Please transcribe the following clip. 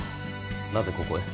なぜここへ。